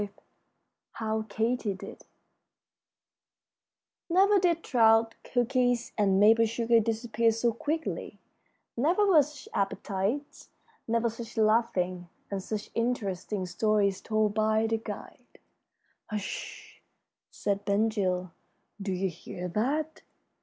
V HOW KATY DID Never did trout, cookies, and maple sugar disappear so quickly; never were such appetites; never such laughing, and such interesting stories told by the guide. "Hush!" said Ben Gile. "Do you hear that?"